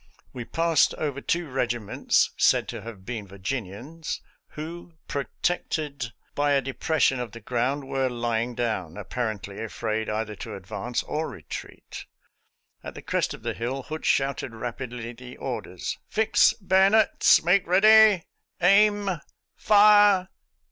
We passed over two regiments — said to have been Virginians — who, protected GAINES' MILL 55 by a depression of the ground, were lying down, apparently afraid either to advance or retreat. At the crest of the hill Hood shouted rapidly the orders, " Fix bayonets ! Make ready ! Aim ! Fire!